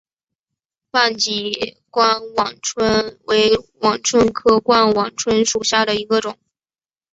斑脊冠网蝽为网蝽科冠网蝽属下的一个种。